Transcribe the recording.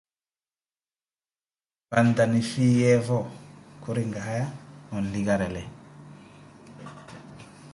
Panta nifhiyevo, khuri, nkahaya onlikarele.